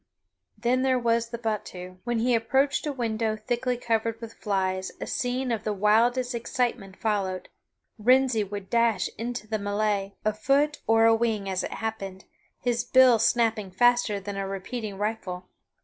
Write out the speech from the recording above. Then there was the battue. When he approached a window thickly covered with flies a scene of the wildest excitement followed. Wrensie would dash into the melee, afoot or a wing as it happened, his bill snapping faster than a repeating rifle.